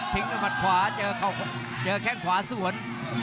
ด้วยมัดขวาเจอแข้งขวาสวน